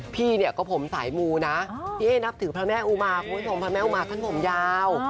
พี่เนี่ยความผมสายมูนะพี่เอ๊นับถึกพระแม้อุมาทั้งผมยาว